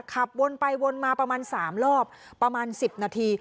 ขับวนไปวนมาประมาณ๓รอบประมาณ๑๐นาที